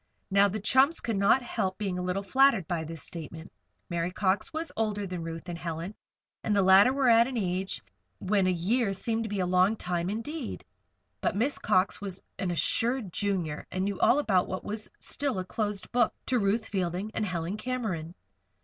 Now, the chums could not help being a little flattered by this statement. Mary Cox was older than Ruth and Helen, and the latter were at an age when a year seemed to be a long time indeed. Besides, Miss Cox was an assured Junior, and knew all about what was still a closed book to Ruth Fielding and Helen Cameron.